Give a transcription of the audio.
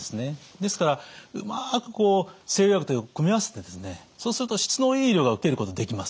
ですからうまく西洋薬と組み合わせてそうすると質のいい医療が受けることできます。